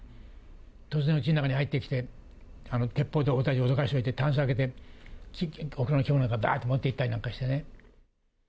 突然うちの中に入ってきて、鉄砲で俺たちを脅かしておいて、タンス開けて、僕の着物なんか、だーっと持っていったりなんかしてね。